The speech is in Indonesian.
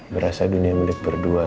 berasa dunia milik berdua